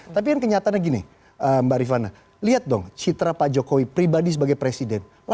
tapi kan kenyataannya gini mbak rifana lihat dong citra pak jokowi pribadi sebagai presiden